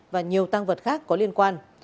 và nhiều tăng vật khác có liên quan